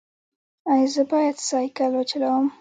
ایا زه باید سایکل وچلوم؟